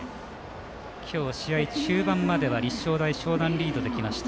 今日、試合中盤までは立正大淞南リードできました。